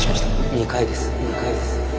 ・２回です